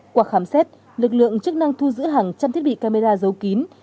qua khám xét lực lượng chức năng thu giữ hàng trăm thiết bị camera giấu kín